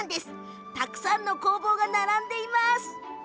たくさんの工房が並んでいます。